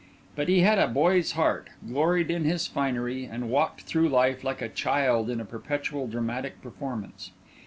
But he had a boy's heart, gloried in his finery, and walked through life like a child in a perpetual dramatic performance.